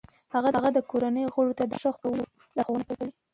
هغه د کورنۍ غړو ته د ښه خوب کولو لارښوونه کوي.